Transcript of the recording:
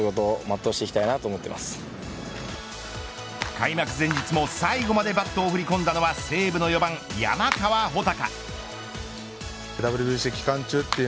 開幕前日も、最後までバットを振り込んだのは西武の４番山川穂高。